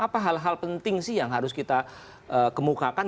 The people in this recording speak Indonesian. apa hal hal penting sih yang harus kita kemukakan